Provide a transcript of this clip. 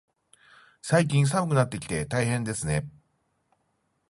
最近、寒くなってきて大変ですね。